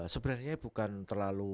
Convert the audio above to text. sebenarnya bukan terlalu